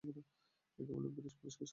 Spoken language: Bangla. একে বলে বীরপুরুষকে শ্রদ্ধা করা।